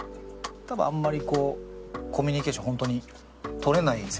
多分あんまりこうコミュニケーションが本当に取れない性格だから。